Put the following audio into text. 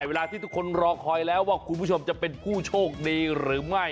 เวลาที่ทุกคนรอคอยแล้วว่าคุณผู้ชมจะเป็นผู้โชคดีหรือไม่